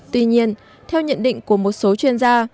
tuy nhiên theo nhận định của một số chuyên gia